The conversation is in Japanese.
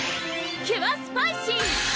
キュアスパイシー！